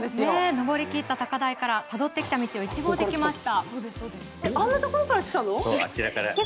登りきった高台からはたどってきた道を一望できました。